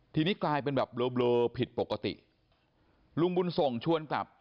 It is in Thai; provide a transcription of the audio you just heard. ทีนี้กลายเป็นแบบเบลอผิดปกติลุงบุญส่งชวนกลับ